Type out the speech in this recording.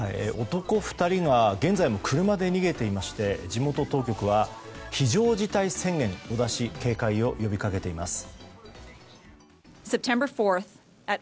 男２人が現在も車で逃げていまして地元当局は非常事態宣言を出し警戒を呼びかけています。